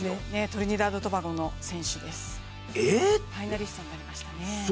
トリニダード・トバゴの選手です、ファイナリストになりましたね。